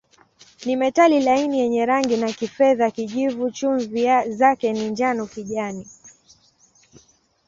Ni metali laini yenye rangi ya kifedha-kijivu, chumvi zake ni njano-kijani.